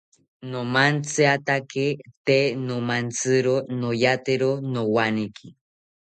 Nomantziatake tee nomatziro noyatero nowaneki